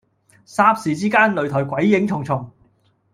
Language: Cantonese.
霎時之間，擂台鬼影重重